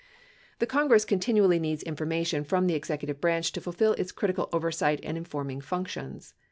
The Congress continually needs information from the executive branch to fulfill its critical oversight and informing functions.